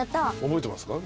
覚えてますか？